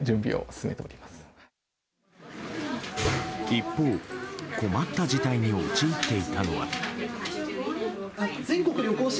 一方、困った事態に陥っていたのは。